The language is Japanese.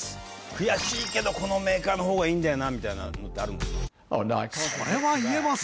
悔しいけどこのメーカーの方がいいんだよなみたいなのってあるんですか？